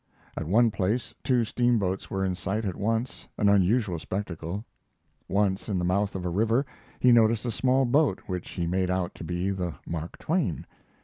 At one place two steamboats were in sight at once an unusual spectacle. Once, in the mouth of a river, he noticed a small boat, which he made out to be the Mark Twain.